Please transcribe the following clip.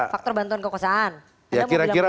faktor bantuan kekuasaan ya kira kira